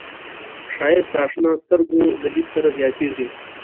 ښایست د اشنا سترګو له لید سره زیاتېږي